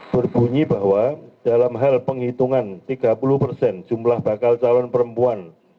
berbunyi bahwa dalam hal penghitungan tiga puluh persen jumlah bakal calon perempuan